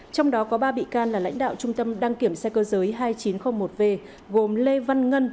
trong đó có ba bị can là lãnh đạo trung tâm đăng kiểm xe cơ giới hai nghìn chín trăm linh một v gồm lê văn ngân